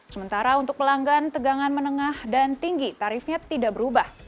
sementara untuk pelanggan tegangan menengah dan tinggi tarifnya tidak berubah